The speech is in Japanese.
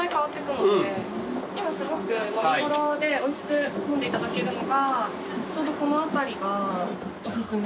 今すごく飲み頃でおいしく飲んでいただけるのがちょうどこの辺りがお薦めですね。